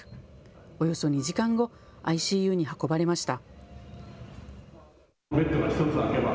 およそ２時間後、ＩＣＵに運ばれました。